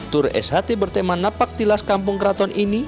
tur sht bertema napak tilas kampung keraton ini